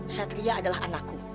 satria adalah anakku